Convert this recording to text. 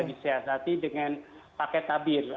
disiasati dengan pakai tabir